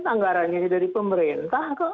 anggarannya dari pemerintah